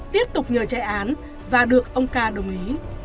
tiếp tục nhờ chạy án và được ông ca đồng ý